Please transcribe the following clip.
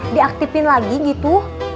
diaktifin lagi gitu